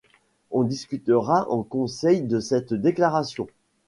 On discutera en conseil de cette déclaration.